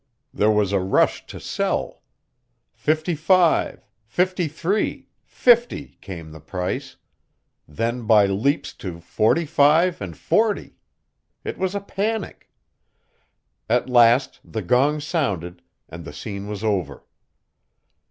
There was a rush to sell. Fifty five fifty three fifty, came the price then by leaps to forty five and forty. It was a panic. At last the gong sounded, and the scene was over.